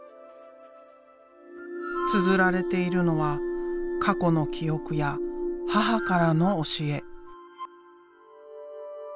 つづられているのは過去の記憶や母からの教え。